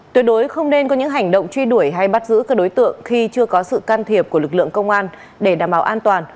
tuyệt đối không nên có những hành động truy đuổi hay bắt giữ các đối tượng khi chưa có sự can thiệp của lực lượng công an để đảm bảo an toàn